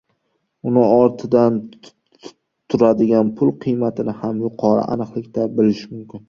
uning ortidan turadigan pul qiymatini ham yuqori aniqlikda bilish mumkin.